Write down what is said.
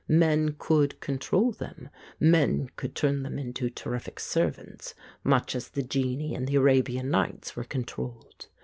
Men could control them, men could turn them into terrific servants, much as the genii in the ' Arabian Nights ' were controlled.